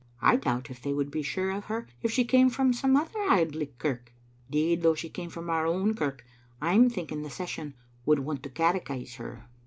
I doubt if they would be sure of her if she came from some other Auld Licht kirk. 'Deed, though she came from our own kirk, I'm thinking the session would want to catechise her.